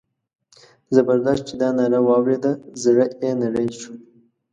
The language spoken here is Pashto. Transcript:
زبردست چې دا ناره واورېده زړه یې نری شو.